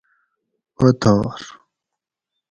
اوتھار